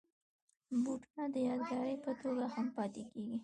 بوټونه د یادګار په توګه هم پاتې کېږي.